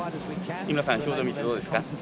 井村さん、表情を見てどうですか。